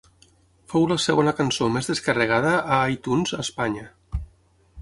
Fou la segona cançó més descarregada a iTunes a Espanya.